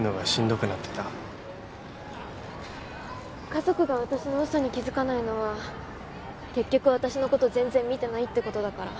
家族が私の嘘に気付かないのは結局私のこと全然見てないってことだから。